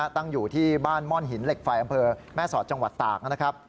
ตั้งอยู่ที่บ้านม่อนหินเหล็กไฟอำเภอแม่สอดจังหวัดตากนะครับ